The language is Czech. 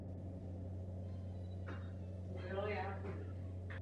Pakt neuvádí výslovnou definici těchto výjimečných okolností.